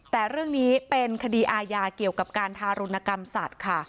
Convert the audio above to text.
แต่เรื่องนี้เป็นคดีอาญาเกี่ยวกับการทารุณกรรมสัตว์ค่ะ